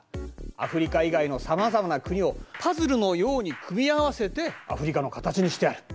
アフリカ以外のさまざまな国をパズルのように組み合わせてアフリカの形にしてある。